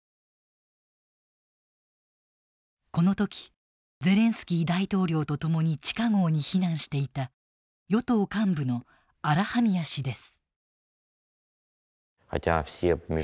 この時ゼレンスキー大統領と共に地下壕に避難していた与党幹部のアラハミア氏です。